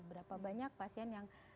berapa banyak pasien yang terkena leukemia